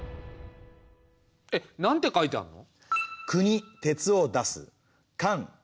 えっなんて書いてあるの？